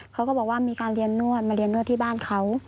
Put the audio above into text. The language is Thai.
เขาก็บอกว่ามีการเรียนนวดมาเรียนนวดที่บ้านเขา